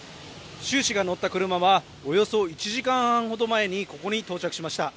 習氏が乗った車はおよそ１時間半ほど前にここに到着しました。